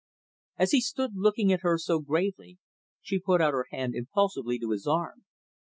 As he stood looking at her so gravely, she put out her hand impulsively to his arm.